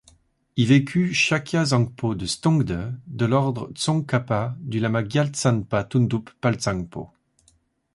Y vécut Shakya Zangpo de Stongde, de l'ordre Tsongkhapa du Lama Gyaltsanpa Tundup Palzangpo.